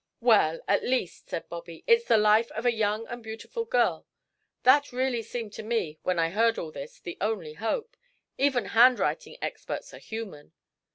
"Well, at least," said Bobby, "it's the life of a young and beautiful girl. That really seemed to me, when I heard all this, the only hope. Even handwriting experts are human."